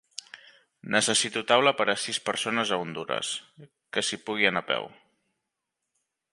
Necessito taula per a sis persones a Hondures, que s'hi pugui anar a peu